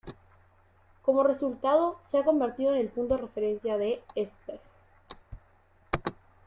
Como resultado, se ha convertido en el punto de referencia de Esbjerg.